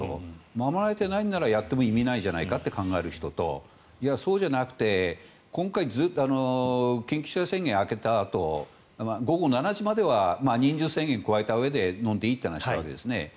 守れていないなら、やっても意味ないじゃないかと考える人とそうじゃなくて、今回緊急事態宣言が明けたあと午後７時までは人数制限を加えたうえで飲んでいいという話のわけですね。